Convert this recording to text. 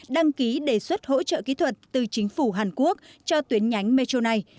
đăng ký đề xuất hỗ trợ kỹ thuật từ chính phủ hàn quốc cho tuyến nhánh metro này